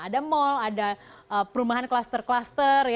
ada mall ada perumahan klaster klaster